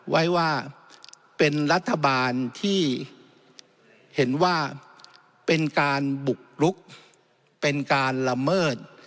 ไว้ว่าเป็นรัฐบาลที่เห็นว่าเป็นการบุกลุกเป็นการละเมิด